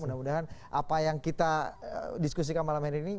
mudah mudahan apa yang kita diskusikan malam hari ini